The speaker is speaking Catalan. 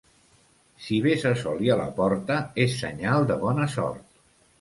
Si vesses oli a la porta és senyal de bona sort.